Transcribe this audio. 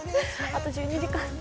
あと１２時間。